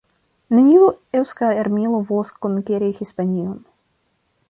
Neniu eŭska armilo volas konkeri Hispanion".